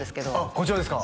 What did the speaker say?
こちらですか？